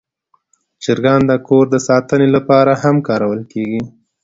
چرګان د کور د ساتنې لپاره هم کارول کېږي.